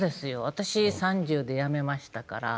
私３０でやめましたから。